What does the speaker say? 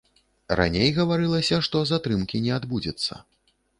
Раней гаварылася, што затрымкі не адбудзецца.